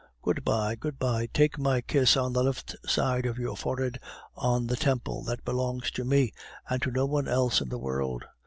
Good bye! Good bye! Take my kiss on the left side of your forehead, on the temple that belongs to me, and to no one else in the world.